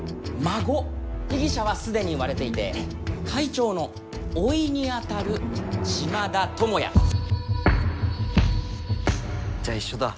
被疑者は既に割れていて会長の甥にあたる島田友也。じゃあ一緒だ。